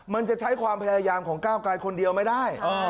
มันจะใช้ความพยายามของก้าวไกลคนเดียวไม่ได้